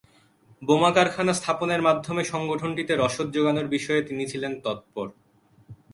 বোমা কারখানা স্থাপনের মাধ্যমে সংগঠনটিতে রসদ জোগানোর বিষয়ে তিনি ছিলেন তত্পর।